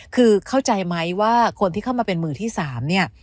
คือเข้าใจไหมว่าคนที่เข้ามาเป็นมือที่๓เนี่ย